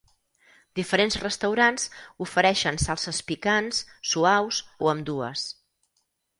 Diferents restaurants ofereixen salses picants, suaus o ambdues.